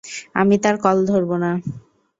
আমি তার কল ধরবো না।